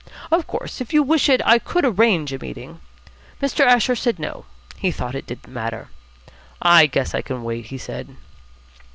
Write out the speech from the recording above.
Of course, if you wish it, I could arrange a meeting " Mr. Asher said no, he thought it didn't matter. "I guess I can wait," he said.